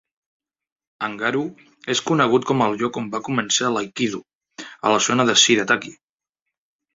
Engaru és conegut com el lloc on va començar l'aikido, a la zona de Shirataki.